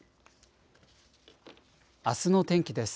あすの天気です。